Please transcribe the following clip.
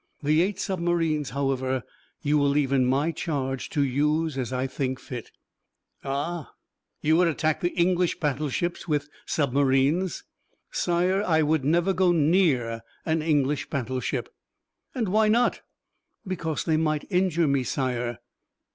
The eight submarines, however, you will leave in my charge to use as I think fit." "Ah, you would attack the English battleships with submarines?" "Sire, I would never go near an English battleship." "And why not?" "Because they might injure me, Sire."